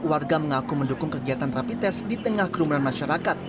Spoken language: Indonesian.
warga mengaku mendukung kegiatan rapi tes di tengah kerumunan masyarakat